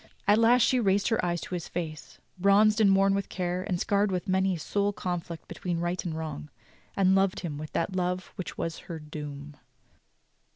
At last she raised her eyes to his face, bronzed and worn with care, and scarred with many a soul conflict between right and wrong, "and loved him with that love which was her doom."